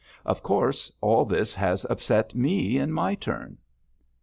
Of course, all this has upset me in my turn.'